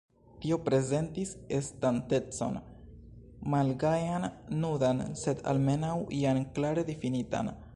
Tio prezentis estantecon malgajan, nudan, sed almenaŭ jam klare difinitan.